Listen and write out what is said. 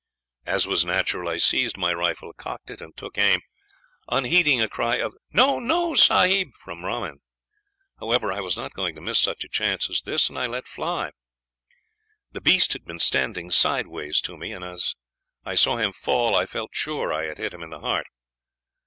As was natural, I seized my rifle, cocked it, and took aim, unheeding a cry of 'No, no, sahib,' from Rahman. However, I was not going to miss such a chance as this, and I let fly. The beast had been standing sideways to me, and as I saw him fall I felt sure I had hit him in the heart.